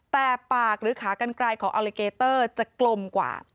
แต่ปากหรือขากันไกลของอัลลิเกเตอร์จะกลมกว่า